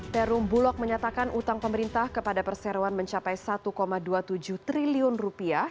perum bulog menyatakan utang pemerintah kepada perseroan mencapai satu dua puluh tujuh triliun rupiah